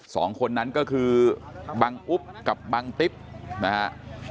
สองคนนั้นก็คือบังอุ๊บกับบังติ๊บนะฮะ